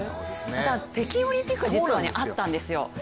北京オリンピック、実はあったんですよ。